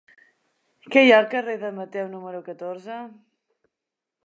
Què hi ha al carrer de Mateu número catorze?